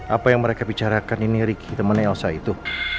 apa yang mereka bicarakan ini riki temennya elsa itu